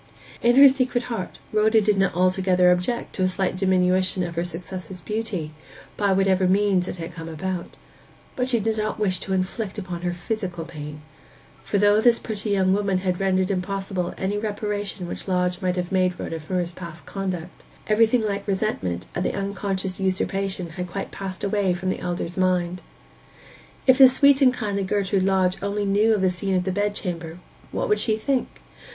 In her secret heart Rhoda did not altogether object to a slight diminution of her successor's beauty, by whatever means it had come about; but she did not wish to inflict upon her physical pain. For though this pretty young woman had rendered impossible any reparation which Lodge might have made Rhoda for his past conduct, everything like resentment at the unconscious usurpation had quite passed away from the elder's mind. If the sweet and kindly Gertrude Lodge only knew of the scene in the bed chamber, what would she think?